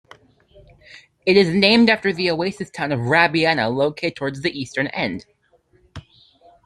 It is named after the oasis town of Rabyanah located towards its eastern end.